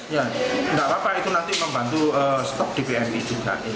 ya nggak apa apa itu nanti membantu stok di bni juga